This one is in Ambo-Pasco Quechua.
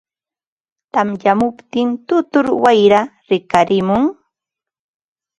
tamyamuptin tutur wayraa rikarimun.